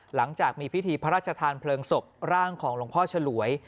หลังจากมีพิธีพระราชทานเพลิงศพร่างของหลวงพ่อฉลวย